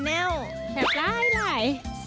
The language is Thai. แซ่บไกล่ไหล